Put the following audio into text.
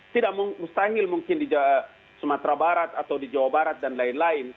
tidak mustahil mungkin di sumatera barat atau di jawa barat dan lain lain